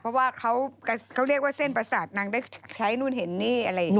เพราะว่าเขาเรียกว่าเส้นประสาทนางได้ใช้นู่นเห็นนี่อะไรอย่างนี้